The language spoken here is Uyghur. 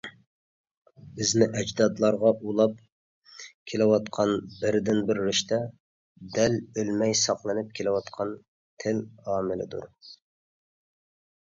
بىزنى ئەجدادلارغا ئۇلاپ كېلىۋاتقان بىردىنبىر رىشتە دەل ئۆلمەي ساقلىنىپ كېلىۋاتقان تىل ئامىلىدۇر.